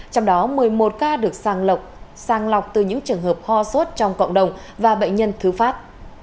trong đó một mươi một ca được sàng lọc sang lọc từ những trường hợp ho sốt trong cộng đồng và bệnh nhân thứ phát